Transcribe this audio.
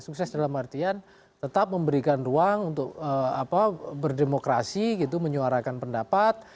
sukses dalam artian tetap memberikan ruang untuk berdemokrasi gitu menyuarakan pendapat